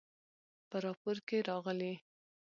په راپور کې راغلي